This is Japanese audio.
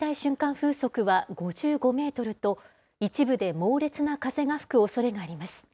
風速は５５メートルと、一部で猛烈な風が吹くおそれがあります。